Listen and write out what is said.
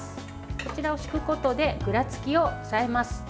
こちらを敷くことでぐらつきを抑えます。